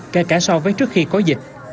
kể cả so với trước khi có dịch